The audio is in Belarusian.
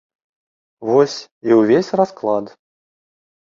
Вось, і ўвесь расклад.